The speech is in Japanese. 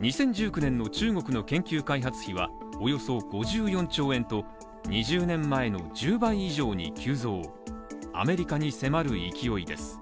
２０１９年の中国の研究開発費はおよそ５４兆円と２０年前の１０倍以上に急増、アメリカに迫る勢いです。